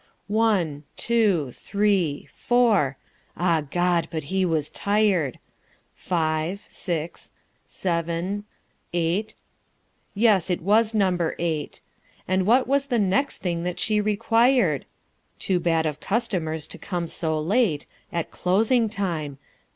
One, two, three, four.... Ah, God, but he was tired.... Five, six, seven, eight.... Yes, it was number eight. And what was the next thing that she required? (Too bad of customers to come so late, At closing time!)